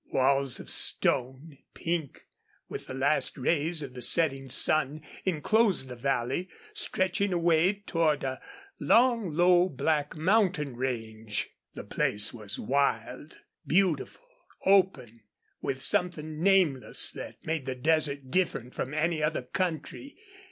Walls of stone, pink with the last rays of the setting sun, inclosed the valley, stretching away toward a long, low, black mountain range. The place was wild, beautiful, open, with something nameless that made the desert different from any other country.